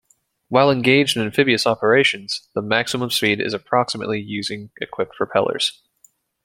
While engaged in amphibious operations, the maximum speed is approximately using equipped propellers.